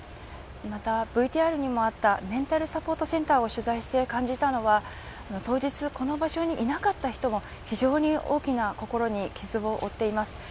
またＶＴＲにもあったメンタルサポートセンターを取材して感じたのは、当日、この場所にいなかった人も非常に大きな心に傷を負っています。